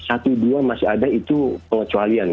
satu dua masih ada itu pengecualian